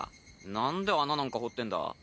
なんで穴なんか掘ってんだ？